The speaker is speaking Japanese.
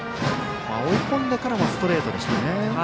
追い込んでからはストレートでしたね。